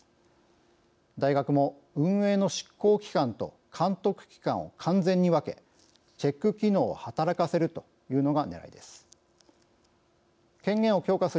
大学も運営の執行機関と監督機関を完全に分けチェック機能を働かせるというのがねらいです。